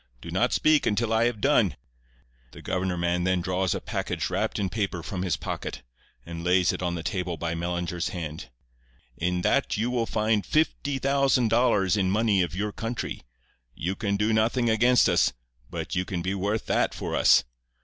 'Do not speak until I have done.' "The governor man then draws a package wrapped in paper from his pocket, and lays it on the table by Mellinger's hand. "'In that you will find fifty thousand dollars in money of your country. You can do nothing against us, but you can be worth that for us.